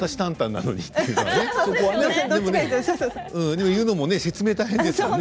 でも言うのもね説明大変ですもんね。